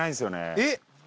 えっ！